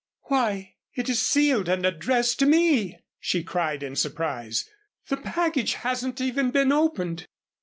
"Why, it is sealed and addressed to me!" she cried, in surprise. "The package hasn't even been opened."